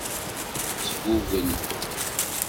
Sgugel.